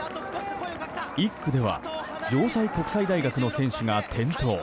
１区では城西国際大学の選手が転倒。